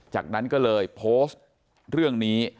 จากนั้นก็เลยโพสต์เรื่องนี้